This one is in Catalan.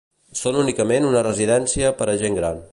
Són únicament una residència per a gent gran.